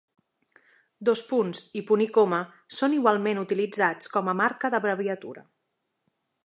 ঃ i ং són igualment utilitzats com marca d'abreviatura.